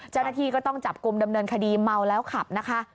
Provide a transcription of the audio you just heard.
เจ้าหน้าที่ก็ต้องจับกลุ่มดำเนินคดีเมาแล้วขับนะคะ